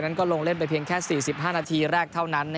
ก็ลงเล่นไปเพียงแค่๔๕นาทีแรกเท่านั้น